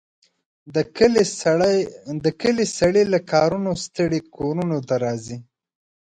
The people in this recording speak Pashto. د کلي سړي له کارونو ستړي کورونو ته راځي.